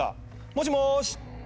もしもーし。